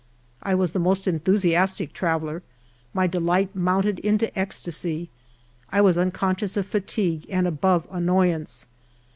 I was the most enthusiastic traveller ; my delight mounted into ecstasy. I was unconscious of fatigue and above annoyance.